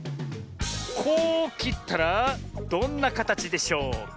こうきったらどんなかたちでしょうか？